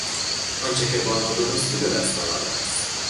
آنچه که با نادرستی به دست آمده است.